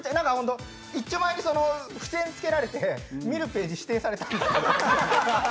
いっちょ前に付箋つけられて、見るページ指定されたんです。